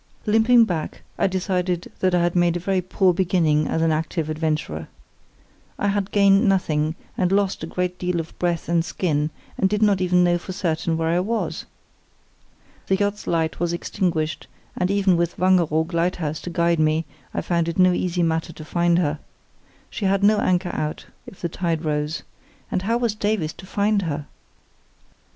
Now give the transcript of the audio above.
Limping back, I decided that I had made a very poor beginning as an active adventurer. I had gained nothing, and lost a great deal of breath and skin, and did not even know for certain where I was. The yacht's light was extinguished, and, even with Wangeroog Lighthouse to guide me, I found it no easy matter to find her. She had no anchor out, if the tide rose. And how was Davies to find her?